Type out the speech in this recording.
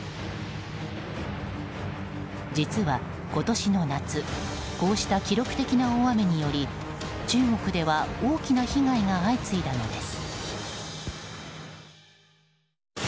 実は、今年の夏こうした記録的な大雨により中国では大きな被害が相次いだのです。